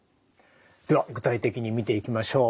では具体的に見ていきましょう。